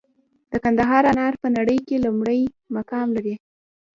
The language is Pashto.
د کندهار انار په نړۍ کې لومړی مقام لري.